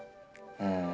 うん。